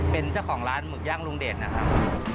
เป็นเจ้าของร้านหมึกย่างลุงเดชนะครับ